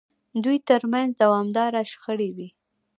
دوی ترمنځ دوامداره شخړې وې.